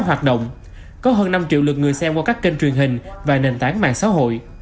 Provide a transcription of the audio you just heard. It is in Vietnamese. hoạt động có hơn năm triệu lượt người xem qua các kênh truyền hình và nền tảng mạng xã hội